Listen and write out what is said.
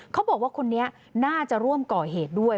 เขาบอกว่าคนนี้น่าจะร่วมก่อเหตุด้วย